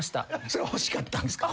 それ欲しかったんすか？